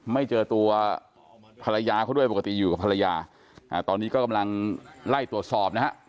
ไม่เจอตัวภรรยาเขาด้วยปกติอยู่กับภรรยาตอนนี้ก็กำลังไล่ตรวจสอบนะฮะ